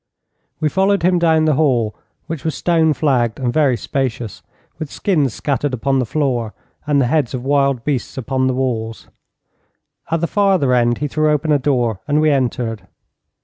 We followed him down the hall, which was stone flagged and very spacious, with skins scattered upon the floor, and the heads of wild beasts upon the walls. At the farther end he threw open a door, and we entered.